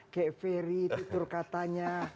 kayak ferry titur katanya